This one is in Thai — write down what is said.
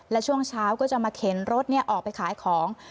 และช่วงเช้าก็จะมาเข็นรถออกไปขายของ